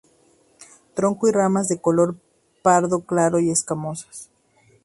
Tronco y ramas de color pardo claro y escamosas.